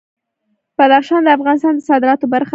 بدخشان د افغانستان د صادراتو برخه ده.